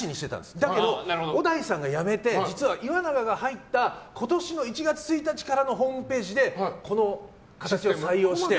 だけど小田井さんが辞めて実は岩永が入った今年の１月１日からのホームページでこの形を採用して。